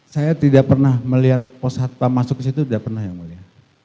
saya tidak pernah melihat pos hatta masuk ke situ tidak pernah yang mulia